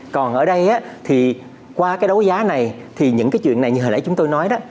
còn ở đây thì qua cái đấu giá này thì những cái chuyện này như hồi nãy chúng tôi nói đó